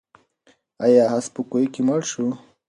آیا آس په کوهي کې مړ شو؟